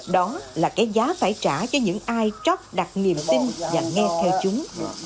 đó là cái giá phải trả cho những ai tróc đặt niềm tin và nghe theo chúng